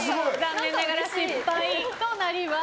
残念ながら失敗となります。